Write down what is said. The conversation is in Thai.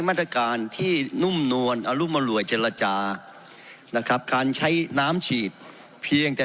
มาตรการที่นุ่มนวลอรุมอร่วยเจรจานะครับการใช้น้ำฉีดเพียงแต่